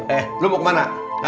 eh lu mau kemana